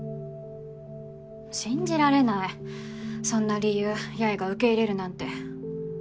信じられないそんな理由八重が受け入れるなんて。